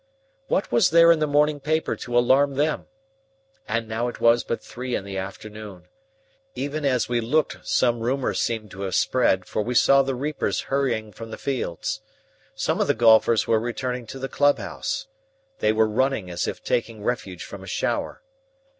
What was there in the morning paper to alarm them? And now it was but three in the afternoon. Even as we looked some rumour seemed to have spread, for we saw the reapers hurrying from the fields. Some of the golfers were returning to the club house. They were running as if taking refuge from a shower.